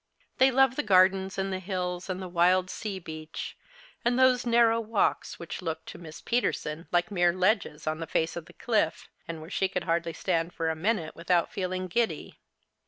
They loved the gardens and the hills and the wild sea beach, and those narrow walks which looked to Miss Peterson The Christmas Hirelings. like mere ledges on the face of tlie cliff, and where she could hardly stand for a minute without feeling giddy.